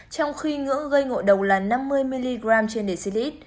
trong khi ngưỡng gây ngội độc là năm mươi mg trên decilit